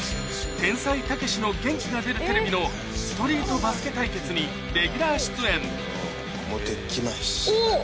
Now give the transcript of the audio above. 『天才・たけしの元気が出るテレビ‼』のストリートバスケ対決にレギュラー出演おっ！